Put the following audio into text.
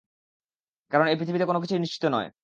কারণ এই পৃথিবীতে কোন কিছুই নিশ্চিত নয়?